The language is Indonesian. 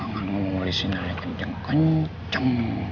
gak ngomong wali sinar ya kenceng kenceng